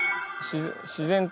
自然とね。